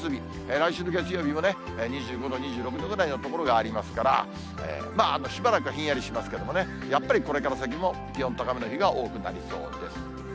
来週の月曜日も２５度、２６度ぐらいの所がありますから、しばらくはひんやりしますけどもね、やっぱりこれから先も、気温高めの日が多くなりそうです。